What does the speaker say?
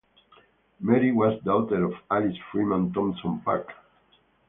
Mary was daughter of Alice Freeman Thompson Parke.